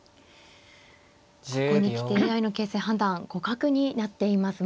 ここに来てＡＩの形勢判断互角になっています。